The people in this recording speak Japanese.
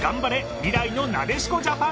未来のなでしこジャパン。